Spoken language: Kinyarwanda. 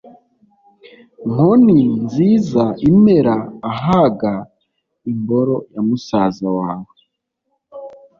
nkoni nziza imera ahaga: imboro _ya musaza wawe.